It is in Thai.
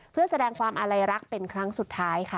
เพื่อแสดงความอาลัยรักเป็นครั้งสุดท้ายค่ะ